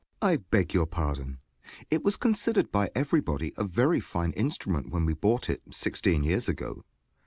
JOHN S. I beg your pardon: it was considered by everybody a very fine instrument when we bought it, sixteen years ago.